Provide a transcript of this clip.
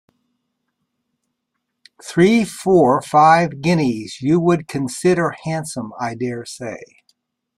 Three, four, five, guineas, you would consider handsome, I dare say.